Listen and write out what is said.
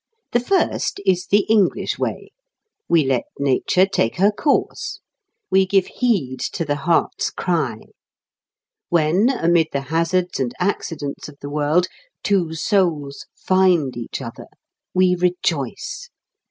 The first is the English way. We let nature take her course. We give heed to the heart's cry. When, amid the hazards and accidents of the world, two souls "find each other," we rejoice.